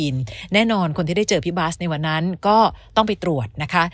แน่นอนคนที่ได้เจอพี่บาสในวันนั้นก็ต้องไปตรวจนะคะ